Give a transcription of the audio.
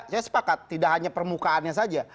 saya sepakat tidak hanya permukaannya saja